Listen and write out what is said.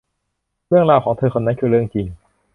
เรื่องราวของเธอคนนั้นคือเรื่องจริง